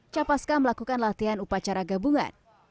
capaska melakukan latihan upacara gabungan